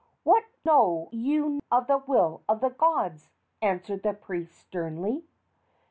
"What know you of the will of the gods?" answered the priest, sternly.